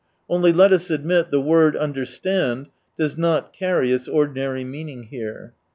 Only, let us admit, the word " understand " does not carry its ordinary meaning here.